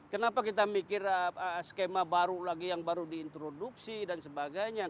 kenapa kita mikir skema baru lagi yang baru diintroduksi dan sebagainya